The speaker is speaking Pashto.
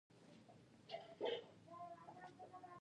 ایا پنبه د کار موضوع ګڼل کیدای شي؟